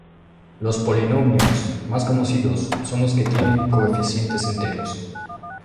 Los polinomios más conocidos son los que tienen coeficientes enteros.